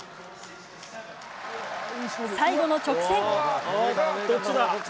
最後の直線。